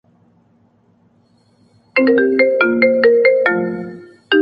لیکن کہیں سے ڈھونڈ کے لائے۔